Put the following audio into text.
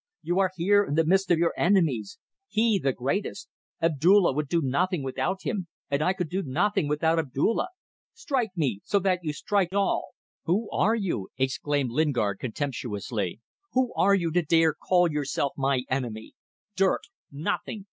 "You are here in the midst of your enemies. He the greatest. Abdulla would do nothing without him, and I could do nothing without Abdulla. Strike me so that you strike all!" "Who are you," exclaimed Lingard contemptuously "who are you to dare call yourself my enemy! Dirt! Nothing!